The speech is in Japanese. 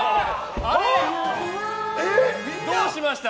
あれ、どうしました？